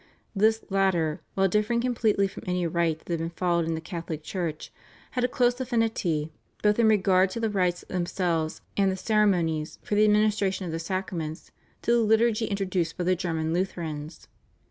This latter while differing completely from any rite that had been followed in the Catholic Church, had a close affinity both in regard to the rites themselves and the ceremonies for the administration of the Sacraments to the liturgy introduced by the German Lutherans.